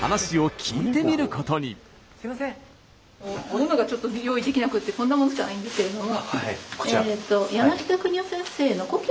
ものがちょっと用意できなくてこんなものしかないんですけれども。